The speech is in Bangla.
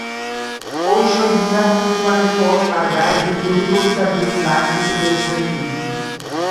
ওই শহীদ মিনারটি নির্মাণের পর তার গায়ে বিদ্রোহী কবিতার দুটি লাইন লিখে দিয়েছিলেন তিনি।